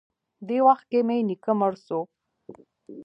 دې وخت کښې مې نيکه مړ سو.